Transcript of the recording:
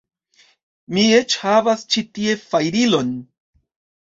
Mi eĉ havas ĉi tie fajrilon